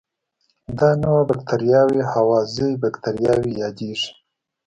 دا نوعه بکټریاوې هوازی باکتریاوې یادیږي.